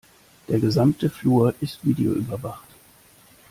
Der gesamte Flur ist videoüberwacht.